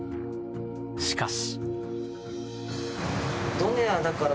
しかし。